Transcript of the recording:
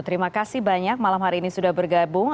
terima kasih banyak malam hari ini sudah bergabung